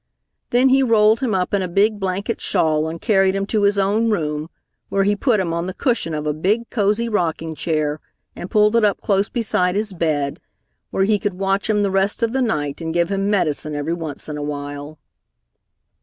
Then he rolled him up in a big blanket shawl and carried him to his own room, where he put him on the cushion of a big, cozy rocking chair, and pulled it up close beside his bed, where he could watch him the rest of the night and give him medicine every once in a while.